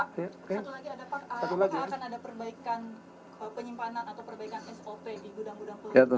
satu lagi apakah akan ada perbaikan penyimpanan atau perbaikan sop di gudang gudang peluru